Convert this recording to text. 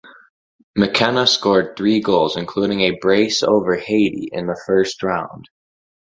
McKenna scored three goals, including a brace over Haiti in the first round.